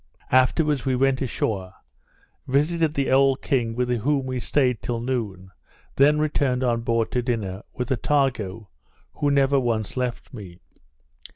Afterwards we went ashore; visited the old king, with whom we staid till noon, then returned on board to dinner, with Attago, who never once left me.